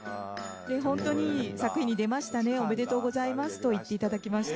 本当にいい作品に出ましたね、おめでとうございますと言っていただきました。